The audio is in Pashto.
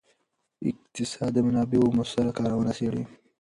اقتصاد د منابعو مؤثره کارونه څیړي.